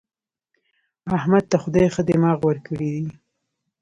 احمد ته خدای ښه دماغ ورکړی دی.